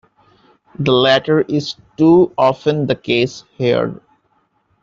The latter is too often the case here.